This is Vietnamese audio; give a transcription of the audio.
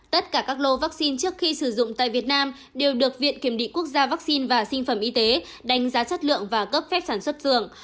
tất cả các lô vaccine trước khi sử dụng tại việt nam đều được viện kiểm định quốc gia vaccine và sinh phẩm y tế đánh giá chất lượng và cấp phép sản xuất dường